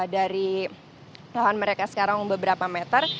dari lahan mereka sekarang beberapa meter